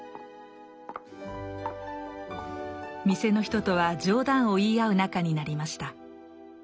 店の人とは冗談を言い合う仲になりました。